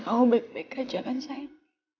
kamu baik baik aja kan sayang